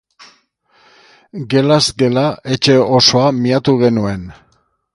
Gelaz gela etxe osoa miatu genuen.